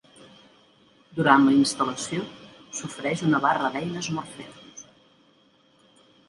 Durant la instal·lació, s'ofereix una barra d'eines Morpheus.